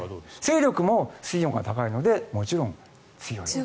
勢力も水温が高いのでもちろん強い。